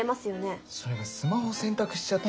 それがスマホ洗濯しちゃって。